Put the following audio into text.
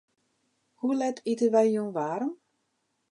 Hoe let ite wy jûn waarm?